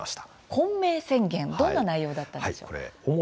昆明宣言、どんな内容だったんでしょうか。